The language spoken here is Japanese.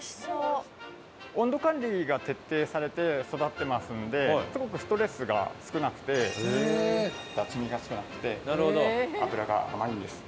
温度管理が徹底されて育ってますんですごくストレスが少なくて雑味が少なくて脂が甘いんです。